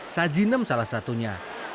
sajinem salah satunya